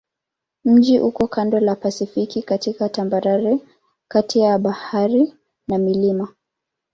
Mji uko kando la Pasifiki katika tambarare kati ya bahari na milima.